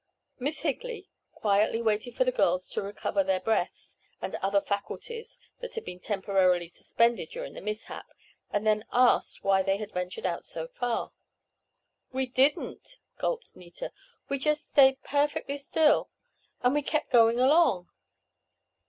Miss Higley quietly waited for the girls to recover their breaths and other faculties that had been temporarily suspended during the mishap, and then asked why they had ventured out so far. "We didn't," gulped Nita. "We just stayed perfectly still and we kept going along."